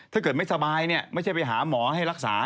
ถ้าเกิดไม่สบายเนี่ยไม่ใช่ไปหาหมอให้รักษา